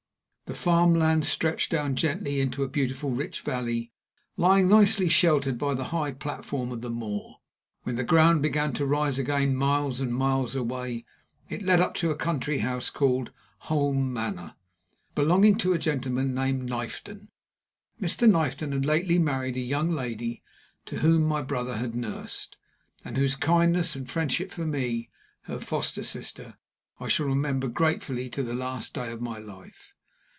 The farm lands stretched down gently into a beautiful rich valley, lying nicely sheltered by the high platform of the moor. When the ground began to rise again, miles and miles away, it led up to a country house called Holme Manor, belonging to a gentleman named Knifton. Mr. Knifton had lately married a young lady whom my mother had nursed, and whose kindness and friendship for me, her foster sister, I shall remember gratefully to the last day of my life.